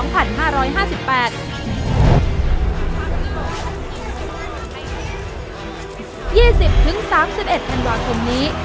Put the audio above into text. ๒๐๓๑ธันวาคมนี้